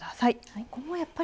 はい。